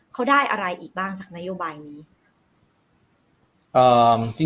เขาได้อะไรอีกบ้างจากนโยบายนี้